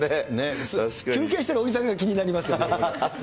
休憩してるおじさんが気になるよね。